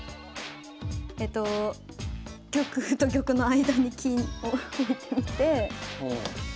えと玉と玉の間に金を置いてみて。